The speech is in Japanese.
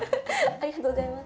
ありがとうございます。